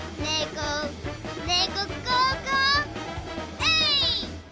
えい！